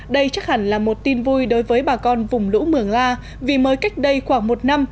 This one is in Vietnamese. đây chắc hẳn là một tin vui đối với bà con vùng lũ mường la vì mới cách đây khoảng một năm